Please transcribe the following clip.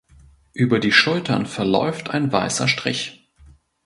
Über die Schultern verläuft ein weißer Strich.